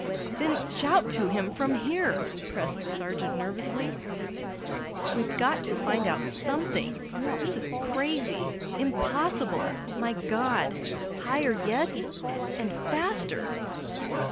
"Then shout to him from here," pressed the sergeant nervously. "We've got to find out something! This is crazy impossible! My God! Higher yet and faster!"